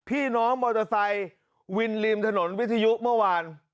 พี่น้องมอเตอร์ไซค์วินริมถนนวิทยุเมื่อวาน